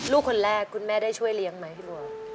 ลูกคนแรกคุณแม่ได้ช่วยเลี้ยงไหมพี่บัว